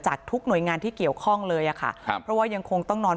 ทุกหน่วยงานที่เกี่ยวข้องเลยอ่ะค่ะครับเพราะว่ายังคงต้องนอน